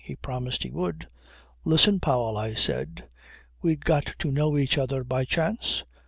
He promised he would. "Listen, Powell," I said. "We got to know each other by chance?"